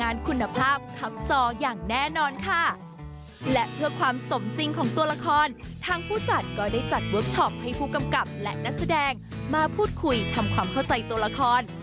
มาพูดคุยทำความเข้าใจตัวละคร